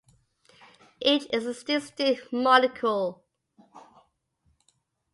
Each is a distinct molecule.